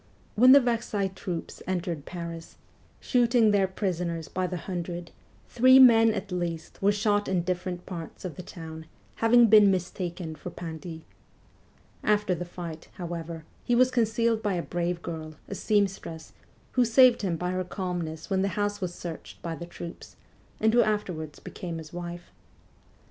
When the Versailles troops entered Paris, shooting their 200 MEMOIRS OF A REVOLUTIONIST prisoners by the hundred, three men at least were shot in different parts of the town, having been mistaken for Pindy. After the fight, however, he was concealed by a brave girl, a seamstress, who saved him by her calmness when the house w r as searched by the troops, and who afterwards became his wife.